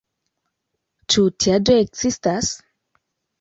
Ĉu tiaĵoj ekzistas?